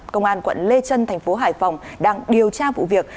công an quận lê trân thành phố hải phòng đang điều tra vụ việc